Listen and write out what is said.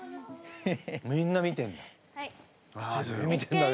みんな見てんだ。